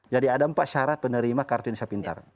jadi ada empat syarat penerima kartu indonesia pintar kuliah